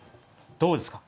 どうですか？